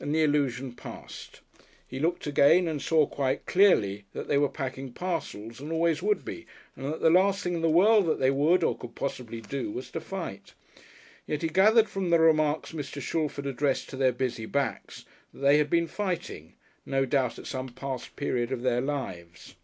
and the illusion passed. He looked again, and saw quite clearly that they were packing parcels and always would be, and that the last thing in the world that they would or could possibly do was to fight. Yet he gathered from the remarks Mr. Shalford addressed to their busy backs that they had been fighting no doubt at some past period of their lives.